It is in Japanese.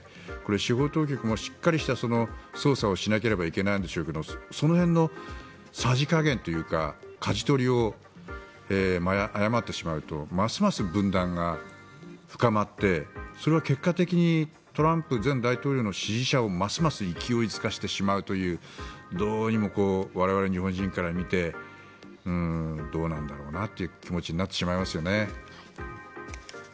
司法当局もしっかりとした捜査をしなければいけないんでしょうけどその辺のさじ加減というかかじ取りを誤ってしまうとますます分断が深まってそれは結果的にトランプ前大統領の支持者をますます勢いづかせてしまうというどうにも、我々日本人から見てどうなんだろうなという気持ちになってしまいますよね。